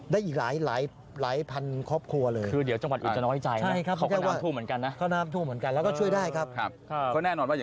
ได้อีกหลายพันครอบครัวเลย